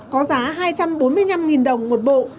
có giá hai trăm bốn mươi năm đồng một bộ